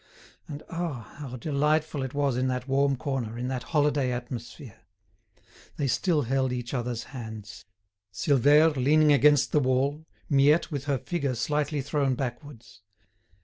And ah! how delightful it was in that warm corner, in that holiday atmosphere! They still held each other's hands. Silvère leaning against the wall, Miette with her figure slightly thrown backwards.